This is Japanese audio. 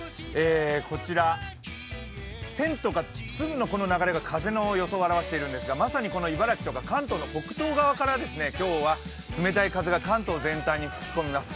こちら線とか粒の流れが風を表しているんですが、まさに茨城とか関東の北東側から今日は冷たい風が関東全体に吹き込みます。